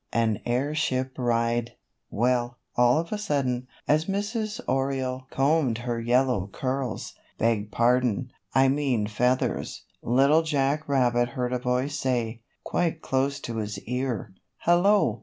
AN AIRSHIP RIDE WELL, all of a sudden, as Mrs. Oriole combed her yellow curls beg pardon, I mean feathers Little Jack Rabbit heard a voice say, quite close to his ear, "Hello!"